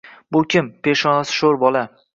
Bu kim? Peshonasi shoʻr bola